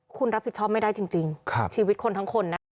คุณรับผิดชอบไม่ได้จริงจริงครับชีวิตคนทั้งคนนะ